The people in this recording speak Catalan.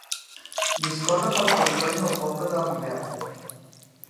Discorre per territori del poble de Rivert.